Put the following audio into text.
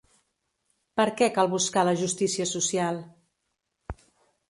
Per què cal buscar la justícia social?